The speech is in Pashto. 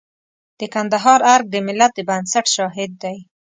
د کندهار ارګ د ملت د بنسټ شاهد دی.